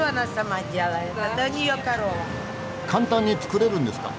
簡単に作れるんですか？